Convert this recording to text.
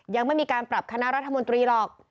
ยังไม่มีการปรับคณะรัฐมนตรีหรอก